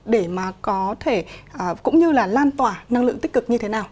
để mà có thể cũng như là lan tỏa năng lượng tích cực như thế nào